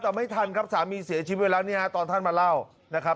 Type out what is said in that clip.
แต่ไม่ทันครับสามีเสียชีวิตไปแล้วตอนท่านมาเล่า